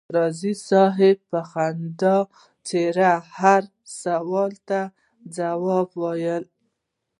راز صاحب په خندانه څېره هر یو سوال ته ځواب وایه.